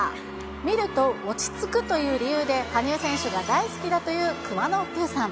見ると落ち着くという理由で、羽生選手が大好きだというくまのプーさん。